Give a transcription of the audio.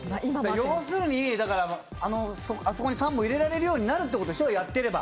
要するにあそこに３本入れられるようになるってことでしょ、やってれば。